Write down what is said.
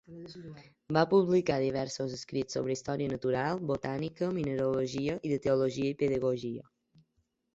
Va publicar diversos escrits sobre història natural, botànica, mineralogia, i de teologia i pedagogia.